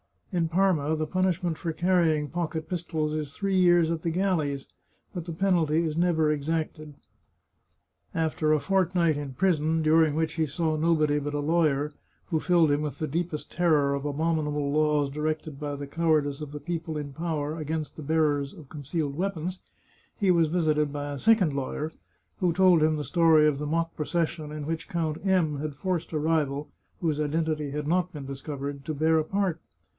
In Parma the punishment for carrying pocket pistols is three years at the galleys, but the penalty is never exacted. After a fortnight in prison, during which he saw nobody but a lawyer, who filled him with the deepest terror of the abominable laws directed by the cowardice of the people in power against the bearers of concealed weapons, he was 247 The Chartreuse of Parma visited by a second lawyer, who told him the story of the mock procession in which Count M had forced a rival, whose identity had not been discovered, to bear a part.